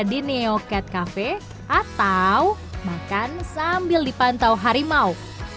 di neo cat cafe atau makan sambil dipantau harimau